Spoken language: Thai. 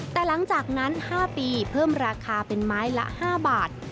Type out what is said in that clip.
แต่หลังจากนั้น๕ปีเพิ่มราคาเป็นไม้ละ๕บาท